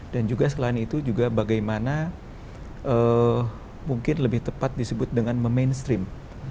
dan juga selain itu juga bagaimana mungkin lebih tepat disebut dengan memainstream